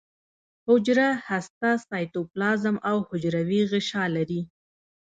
حجره هسته سایتوپلازم او حجروي غشا لري